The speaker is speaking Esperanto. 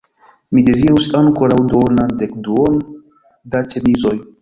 Mi dezirus ankoraŭ duonan dekduon da ĉemizoj.